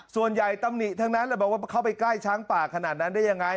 ส่วนใหญ่ต้ำหนิทั้งนั้นแล้วบอกว่าเขาไปใกล้ช้างปากขนาดนั้นได้ยังไง